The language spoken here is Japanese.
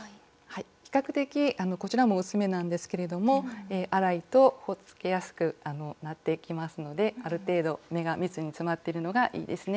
比較的こちらも薄めなんですけれども粗いとほつれやすくなっていきますのである程度目が密に詰まってるのがいいですね。